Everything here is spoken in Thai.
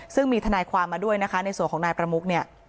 ซึ่งมีทนายความมาด้วยนะคะในส่วนของนายประมุกเนี่ย